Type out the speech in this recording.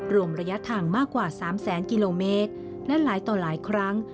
รวมระยะทางมากกว่า๓แสนกิโลเมตรและหลายต่อหลายครั้ง